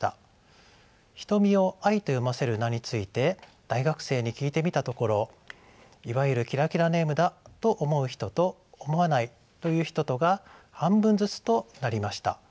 「瞳」を「アイ」と読ませる名について大学生に聞いてみたところいわゆるキラキラネームだと思う人と思わないという人とが半分ずつとなりました。